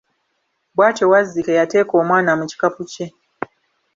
Bwatyo Wazzike yateeaka omwana mu kikapu kye